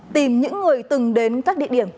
tìm những người từng đến các địa điểm